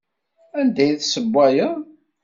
Anda ay tessewwayeḍ?